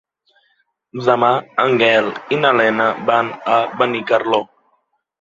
Demà en Gaël i na Lena van a Benicarló.